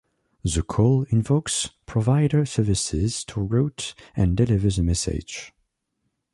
The call invokes provider services to route and deliver the message.